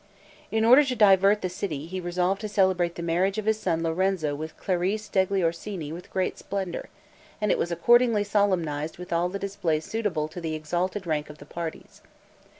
In order to divert the city, he resolved to celebrate the marriage of his son Lorenzo with Clarice degli Orsini with great splendor; and it was accordingly solemnized with all the display suitable to the exalted rank of the parties.